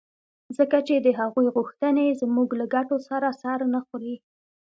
ځکه چې د هغوی غوښتنې زموږ له ګټو سره سر نه خوري.